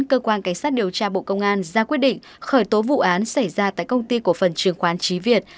cơ quan cảnh sát điều tra bộ công an ra quyết định khởi tố vụ án xảy ra tại công ty cổ phần trường khoán trí việt